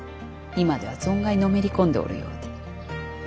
今では存外のめり込んでおるようで。